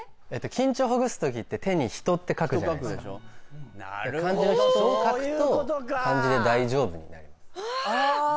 緊張ほぐす時って手に「人」って書くじゃないですか漢字の「人」を書くと漢字で「大丈夫」になります